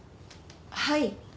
はい。